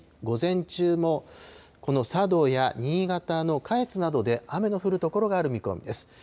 午前中も、この佐渡や新潟の下越などで雨の降る所がある見込みです。